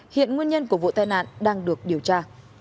hiện nguyên nhân của vụ tai nạn đang được điều tra